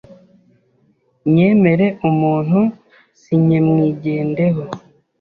Nyemere umuntu si nyemwigendeho,